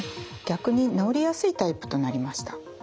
逆に治りやすいタイプとなりました。